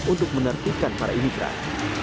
untuk menertibkan para imigran